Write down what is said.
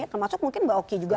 termasuk mungkin mbak okijaa